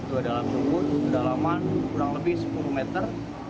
tua dalam sebut dalaman kurang lebih sepuluh meter